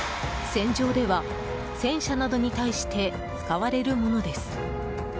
戦場では、戦車などに対して使われるものです。